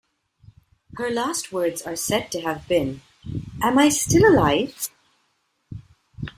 Her last words are said to have been Am I still alive?